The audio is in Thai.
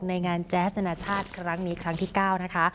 ในงานแจ๊สนาชาติครั้งนี้ครั้งที่๙นะคะ